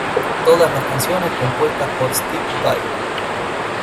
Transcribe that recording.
Todas las canciones compuestas por Steve Vai.